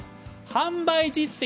販売実績